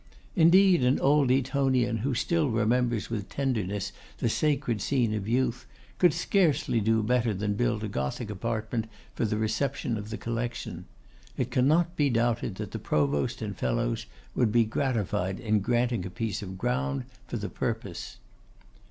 Indeed an old Etonian, who still remembers with tenderness the sacred scene of youth, could scarcely do better than build a Gothic apartment for the reception of the collection. It cannot be doubted that the Provost and fellows would be gratified in granting a piece of ground for the purpose.